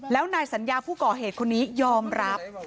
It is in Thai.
แล้วนายสัญญาผู้ก่อเหตุคนนี้ยอมรับ